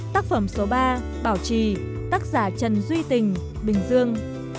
tác phẩm số ba bảo trì tác giả trần duy tình bình dương